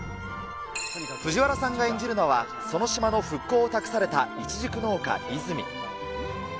藤原さんが演じるのは、その島の復興を託されたイチジク農家、泉。